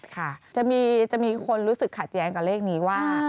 ค่ะจะมีคนรู้สึกขาดแย้งกับเลขนี้ว่า